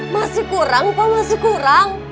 masih kurang kok masih kurang